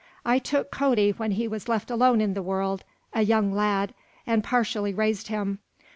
I took Cody when he was left alone in the world, a young lad, and partially raised him.